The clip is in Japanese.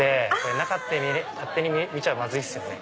中って勝手に見ちゃまずいですよね？